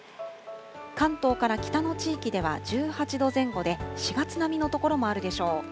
関東から北の地域では１８度前後で、４月並みの所もあるでしょう。